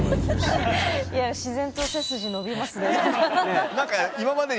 いや自然と背筋伸びますね。